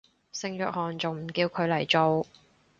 聖約翰仲唔叫佢嚟做